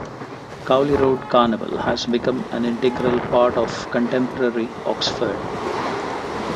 Cowley Road Carnival has become an integral part of contemporary Oxford.